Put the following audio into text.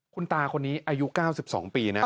คุณตาคนนี้อายุ๙๒ปีนะ